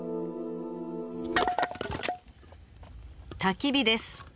たき火です。